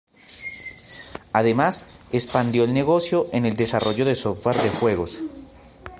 Además, expandió el negocio en el desarrollo de software de juegos.